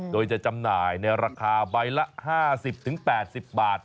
โดยจะจำหน่ายในราคาใบละ๕๐๘๐บาท